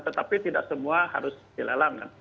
tetapi tidak semua harus dilelangkan